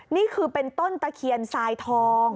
นี่คือเป็นต้นตะเคียนทรายทอง